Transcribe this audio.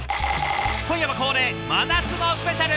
今夜は恒例真夏のスペシャル！